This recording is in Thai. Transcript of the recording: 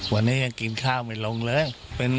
วันนี้ยังกินข้าวไม่ลงเลย